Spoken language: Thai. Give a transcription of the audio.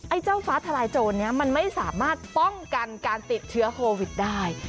เจ้าฟ้าทลายโจรนี้มันไม่สามารถป้องกันการติดเชื้อโควิดได้